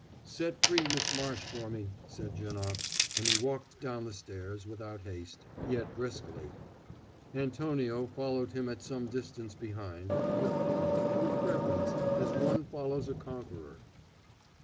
"Set free Miss Marsh for me," said Janoc, and he walked down the stairs, without haste, yet briskly Antonio following him at some distance behind, with awe, with reverence, as one follows a conqueror.